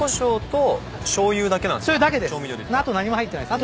あと何も入ってないです。